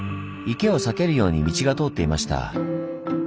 池を避けるように道が通っていました。